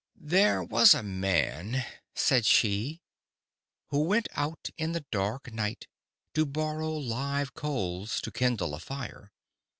"There was a man," said she, "who went out in the dark night to borrow live coals to kindle a fire.